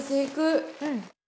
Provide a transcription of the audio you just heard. うん。